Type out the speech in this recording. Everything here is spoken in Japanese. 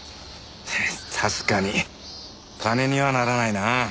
確かに金にはならないなあ。